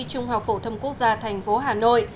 trung học phổ thông quốc gia thành phố hà nội